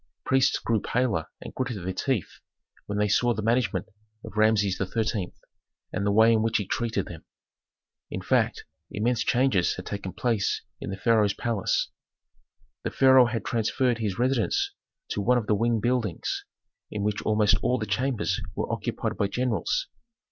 Priests grew pale and gritted their teeth when they saw the management of Rameses XIII. and the way in which he treated them. In fact, immense changes had taken place in the pharaoh's palace. The pharaoh had transferred his residence to one of the wing buildings, in which almost all the chambers were occupied by generals.